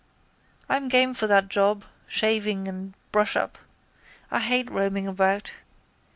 I'm game for that job, shaving and brushup. I hate roaming about.